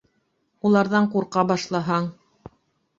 Уларҙан ҡурҡа башлаһаң...